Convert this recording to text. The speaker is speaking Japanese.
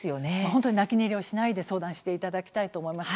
本当に泣き寝入りしないで相談していただきたいと思います。